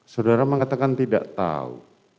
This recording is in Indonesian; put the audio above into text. saudara mengatakan tidak tahu